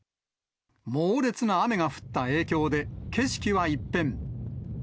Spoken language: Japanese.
猛烈な雨が降った影響で、景色は一変。